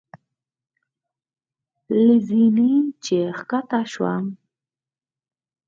له زینې چې ښکته شوم.